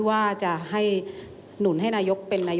เลือกตั้งมาอะไร